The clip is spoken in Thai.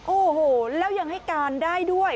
โอ้โหแล้วยังให้การได้ด้วย